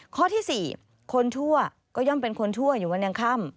ข้อที่๔คนชั่วก็ย่อมเป็นคนชั่วอยู่วันยังค่ำ